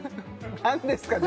何ですか？